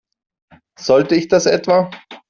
Sollte ich das etwa?